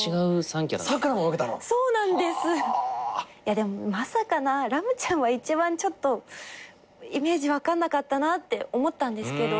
でもまさかなラムちゃんは一番ちょっとイメージ分かんなかったなって思ったんですけど。